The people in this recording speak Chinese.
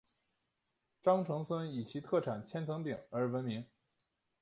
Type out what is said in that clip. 鄣城村以其特产千层饼而闻名。